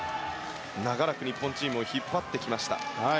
長らく日本チームを引っ張ってきました。